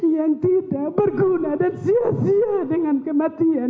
yang tidak berguna dan sia sia dengan kematian